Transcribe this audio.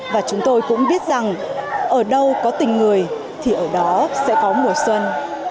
và chúng tôi cũng biết rằng ở đâu có tình người thì ở đó sẽ có mùa xuân